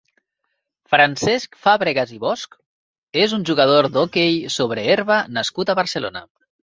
Francesc Fàbregas i Bosch és un jugador d'hoquei sobre herba nascut a Barcelona.